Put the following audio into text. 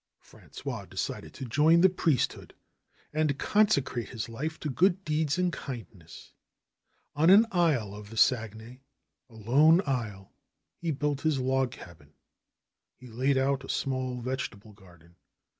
Prangois decided to join the priesthood and consecrate his life to good deeds and kindness. On an isle of the Saguenay, a lone isle, he built his log cabin. He laid out a small vegetable garden.